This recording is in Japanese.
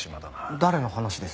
誰の話です？